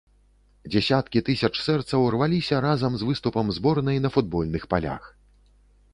Дзясяткі тысяч сэрцаў рваліся разам з выступам зборнай на футбольных палях.